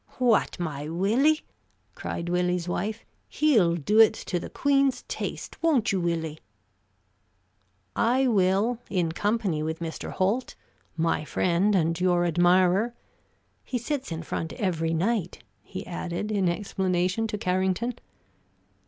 "What, my Willie?" cried Willie's wife. "He'll do it to the Queen's taste. Won't you, Willie?" "I will, in company with Mr. Holt my friend and your admirer. He sits in front every night," he added, in explanation to Carrington.